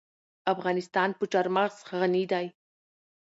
افغانستان په چار مغز غني دی.